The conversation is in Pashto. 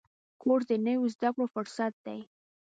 کورس د نویو زده کړو فرصت دی.